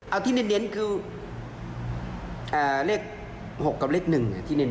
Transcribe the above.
เอาที่เน้นคือเลข๖กับเลข๑ที่เน้น